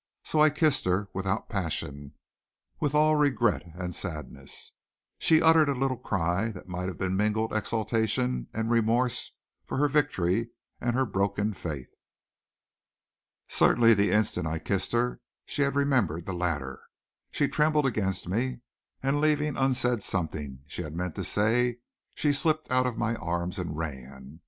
So I kissed her, without passion, with all regret and sadness. She uttered a little cry that might have been mingled exultation and remorse for her victory and her broken faith. Certainly the instant I kissed her she remembered the latter. She trembled against me, and leaving unsaid something she had meant to say, she slipped out of my arms and ran.